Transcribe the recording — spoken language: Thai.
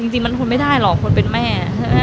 จริงมันทนไม่ได้หรอกคนเป็นแม่